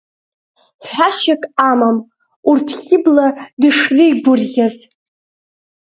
Ҳәашьак амам урҭ Хьыбла дышреигәырӷьаз.